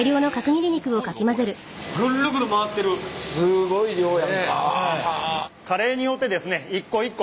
すごい量や。